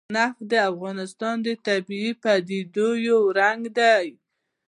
نفت د افغانستان د طبیعي پدیدو یو رنګ دی.